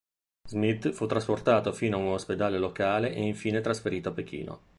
Smith fu trasportato fino ad un ospedale locale e infine trasferito a Pechino.